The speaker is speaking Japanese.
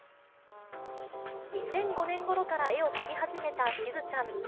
２００５年ごろから絵を描き始めたしずちゃん。